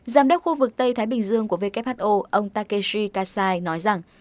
giám đốc khu vực tây thái bình dương của who ông takeshi kassai nói rằng